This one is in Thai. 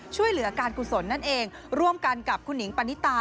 ช่วยเหลือการกุศลนั่นเองร่วมกันกับคุณหิงปณิตา